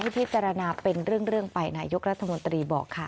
พิจารณาเป็นเรื่องไปนายกรัฐมนตรีบอกค่ะ